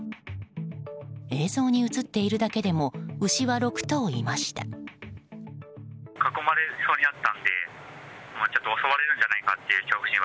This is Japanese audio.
映像に映っているだけでも牛は６頭いました。